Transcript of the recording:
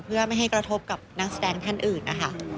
เพื่อไม่ให้กระทบกับนักแสดงท่านอื่นนะคะ